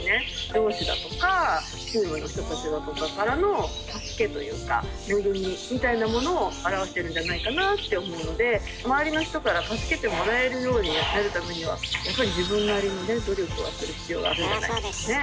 上司だとかチームの人たちだとかからの助けというか恵みみたいなものを表してるんじゃないかなって思うので周りの人から助けてもらえるようになるためにはやっぱり自分なりの努力はする必要あるんじゃないですかね。